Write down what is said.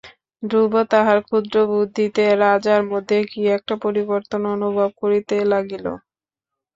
ধ্রুব তাহার ক্ষুদ্র বুদ্ধিতে রাজার মধ্যে কী একটা পরিবর্তন অনুভব করিতে লাগিল।